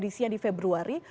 ketika predisinya di februari